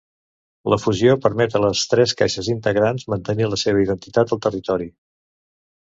La fusió permet a les tres caixes integrants mantenir la seva identitat al territori.